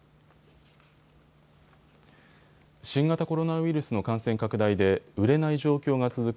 新型コロナウイルスの感染拡大で売れない状況が続く